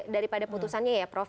daripada putusannya ya prof